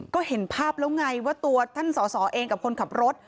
ก็เห็นภาพแล้วไงว่าตัวท่านสอสอเองกับคนขับรถ